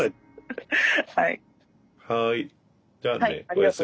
はい。